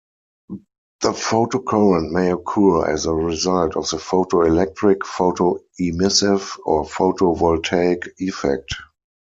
The photocurrent may occur as a result of the photoelectric, photoemissive, or photovoltaic effect.